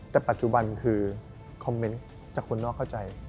แต่ปัจจุบันคือคอมเมนต์จากคนนอกเข้าใจ